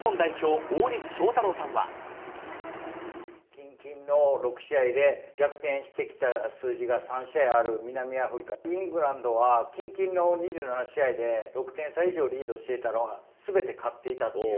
近々の６試合で逆転してきた数字が３試合ある南アフリカ、イングランドは近々の２７試合で６点差以上リードしていたのが、すべて勝っていたっていう。